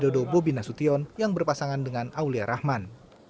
dalam kehidupan bermasyarakat